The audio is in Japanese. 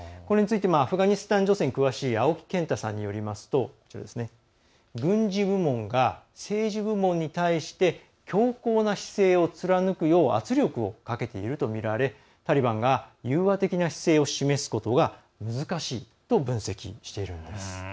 アフガニスタン情勢に詳しい青木健太さんによると軍事部門が政治部門に対して強硬な姿勢を貫くよう圧力をかけているとみられタリバンが融和的な姿勢を示すことが難しいと分析しているんです。